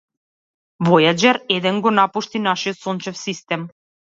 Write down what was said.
Војаџер еден го напушти нашиот сончев систем.